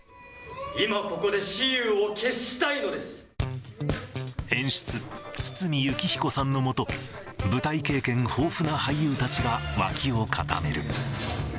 今ここで雌雄を決したいので演出、堤幸彦さんの下、舞台経験豊富な俳優たちが脇を固める。